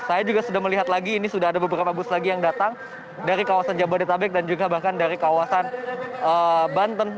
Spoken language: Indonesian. saya juga sudah melihat lagi ini sudah ada beberapa bus lagi yang datang dari kawasan jabodetabek dan juga bahkan dari kawasan banten